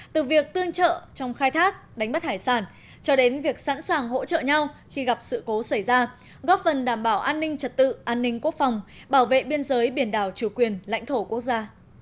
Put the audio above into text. từ việc tương trợ trong khai thác đánh bắt hải sản cho đến việc sẵn sàng hỗ trợ nhau khi gặp sự cố xảy ra góp phần đảm bảo an ninh trật tự an ninh quốc phòng bảo vệ biên giới biển đảo chủ quyền lãnh thổ quốc gia